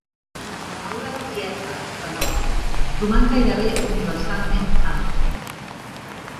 La paraula "tieta" però, roman gairebé universalment àmplia.